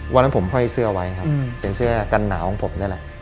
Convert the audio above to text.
วันนั้นผมห้อยเสื้อไว้ครับเป็นเสื้อกันหนาวของผมนี่แหละ